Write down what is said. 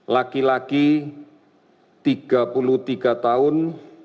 laki laki tiga puluh tujuh tahun laki laki tiga puluh tujuh tahun